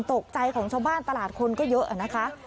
ตกใจของชาวบ้านตลาดคนก็เยอะนะคะ